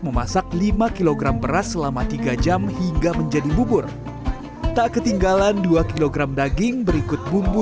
memasak lima kg beras selama tiga jam hingga menjadi bubur tak ketinggalan dua kg daging berikut bumbu